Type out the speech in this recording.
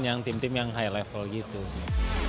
jadi kita bisa melihat yang tim tim yang high level gitu sih